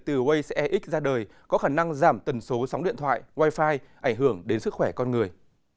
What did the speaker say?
the waze ex ra đời có khả năng giảm tần số sóng điện thoại wifi ảnh hưởng đến sức khỏe con người